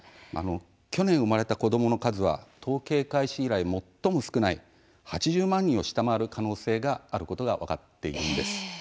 去年生まれた子どもの数は統計開始以来、最も少ない８０万人を下回る可能性があることが分かっているんです。